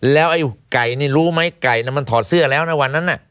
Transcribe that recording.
แล้วไอ้ไก่นี่รู้ไหมไก่มันถอดเสื้อแล้วนะวันนั้น